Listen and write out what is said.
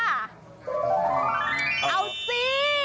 เอาสิ